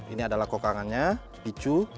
ini adalah kokangannya picu